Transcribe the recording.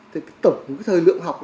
thì cái tổng của cái thời lượng học